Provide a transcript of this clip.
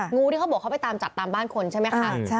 งูที่เขาบอกเขาไปตามจับตามบ้านคนใช่ไหมคะ